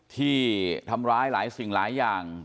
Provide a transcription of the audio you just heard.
ที่ทำร้ายหลายสิ่งหลายอย่าง